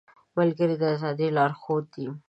ملګری د ازادۍ لارښود دی